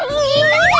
enggak enggak enggak